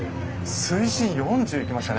水深４０いきましたね。